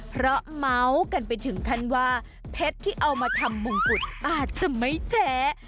เพราะเมาส์กันไปถึงขั้นว่าเพชรที่เอามาทำมงกุฎอาจจะไม่แท้